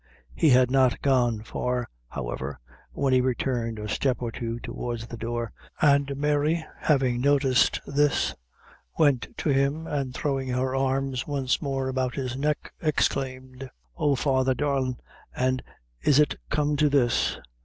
He had not gone far, however, when he returned a step or two towards the door; and Mary, having noticed this, went to him, and throwing her arms once more about his neck, exclaimed: "Oh! Father, darlin' an' is it come to this?